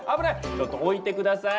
ちょっと置いて下さい。